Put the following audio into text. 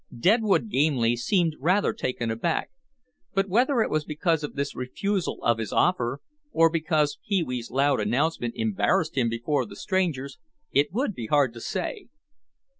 Deadwood Gamely seemed rather taken aback, but whether it was because of this refusal of his offer, or because Pee wee's loud announcement embarrassed him before the strangers it would be hard to say.